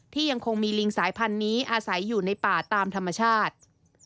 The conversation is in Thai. ยังคงมีลิงสายพันธุ์นี้อาศัยอยู่ในป่าตามธรรมชาติ